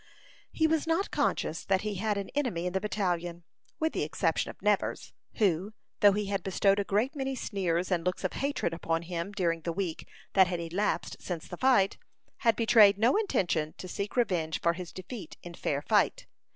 He was not conscious that he had an enemy in the battalion, with the exception of Nevers, who, though he had bestowed a great many sneers and looks of hatred upon him during the week that had elapsed since the fight, had betrayed no intention to seek revenge for his defeat in fair fight.